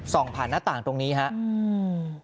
ผ่านหน้าต่างตรงนี้ครับ